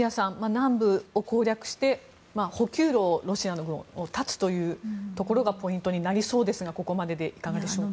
南部を攻略してロシアの補給路を断つというところがポイントになりそうですがここまででいかがでしょうか。